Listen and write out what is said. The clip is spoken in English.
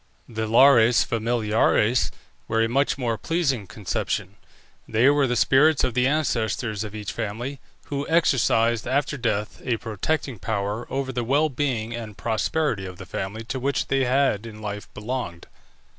The Lares Familiares were a much more pleasing conception. They were the spirits of the ancestors of each family, who exercised after death a protecting power over the well being and prosperity of the family to which they had in life belonged.